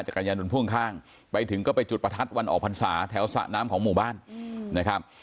กระยานพ่วงข้างไปถึงก็ไปจุดประทัดวันออกพรรษาแถวสระน้ำของหมู่บ้านนะครับ